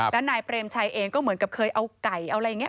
แล้วนายเปรมชัยเองก็เหมือนกับเคยเอาไก่เอาอะไรอย่างนี้